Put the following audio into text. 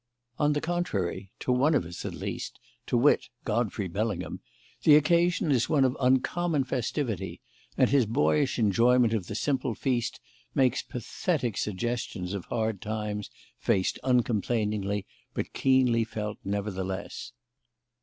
On the contrary, to one of us, at least to wit, Godfrey Bellingham the occasion is one of uncommon festivity, and his boyish enjoyment of the simple feast makes pathetic suggestions of hard times, faced uncomplainingly, but keenly felt nevertheless.